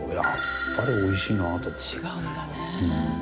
違うんだね。